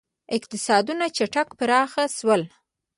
• اقتصادونه چټک پراخ شول.